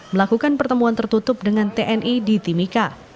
melakukan pertemuan tertutup dengan tni di timika